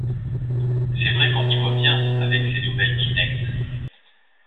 C’est vrai qu’on y voit bien, avec ces nouvelles kinect.